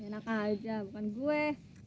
enak aja bukan gue